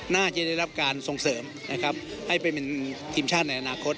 น่าจะได้รับการส่งเสริมนะครับให้ไปเป็นทีมชาติในอนาคต